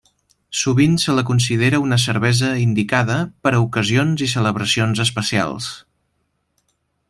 Sovint se la considera una cervesa indicada per a ocasions i celebracions especials.